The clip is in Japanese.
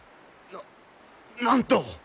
ななんと！